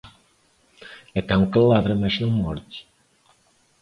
É cão que ladra, mas não morde.